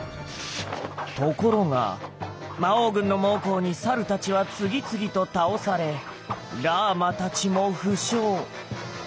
ところが魔王軍の猛攻にサルたちは次々と倒されラーマたちも負傷。